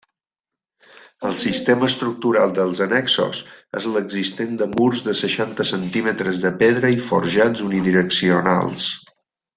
El sistema estructural dels annexos és l'existent de murs de seixanta centímetres de pedra i forjats unidireccionals.